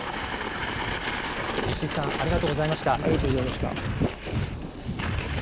石井さん、ありがとうございました。